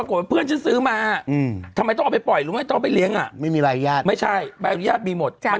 เขาก็ออกไปปล่อยสู่ธรรมชาติแล้วเพิ่งวงว่า